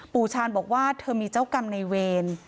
ชาญบอกว่าเธอมีเจ้ากรรมในเวร